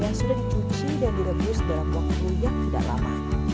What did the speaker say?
yang sudah dicuci dan direbus dalam waktu yang tidak lama